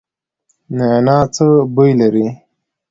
نعناع څه بوی لري؟